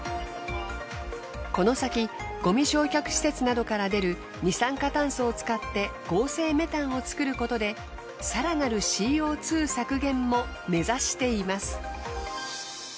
この先ごみ焼却施設などから出る二酸化炭素を使って合成メタンを作ることで更なるＣＯ２削減も目指しています。